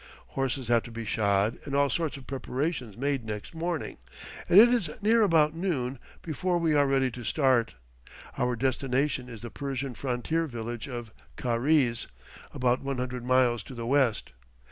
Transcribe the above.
Horses have to be shod, and all sorts of preparations made next morning, and it is near about noon before we are ready to start. Our destination is the Persian frontier village of Karize, about one hundred miles to the west.